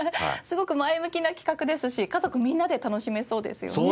すごく前向きな企画ですし家族みんなで楽しめそうですよね。